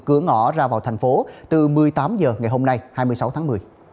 cửa ngõ ra vào thành phố từ một mươi tám h ngày hôm nay hai mươi sáu tháng một mươi